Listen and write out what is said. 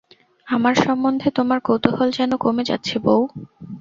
আমার সম্বন্ধে তোমার কৌতুহল যেন কমে যাচ্ছে বৌ।